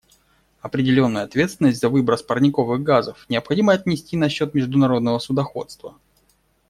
Определенную ответственность за выброс парниковых газов необходимо отнести на счет международного судоходства.